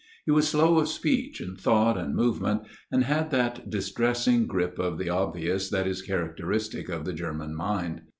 He was slow of speech and thought and move ment, and had that distressing grip of the obvious that is characteristic of the German mind.